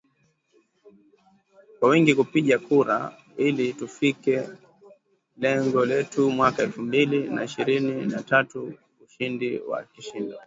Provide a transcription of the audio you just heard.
kwa wingi kupiga kura ili tufikie lengo letu mwaka elfu mbili na ishirini na tatu ushindi wa kishindo